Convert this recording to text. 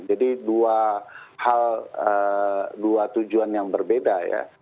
jadi dua hal dua tujuan yang berbeda ya